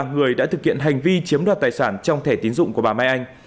nguyễn phú hiển đã thực hiện hành vi chiếm đoạt tài sản trong thẻ tín dụng của bà mai anh